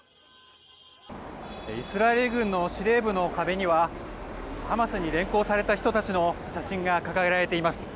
イスラエル軍の司令部の壁にはハマスに連行された人たちの写真が掲げられています。